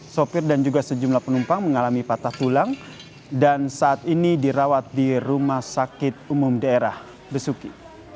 sopir dan juga sejumlah penumpang mengalami patah tulang dan saat ini dirawat di rumah sakit umum daerah besuki